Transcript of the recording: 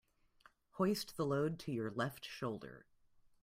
Hoist the load to your left shoulder.